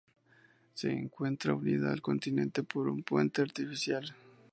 Se encuentra unida al continente por un puente artificial.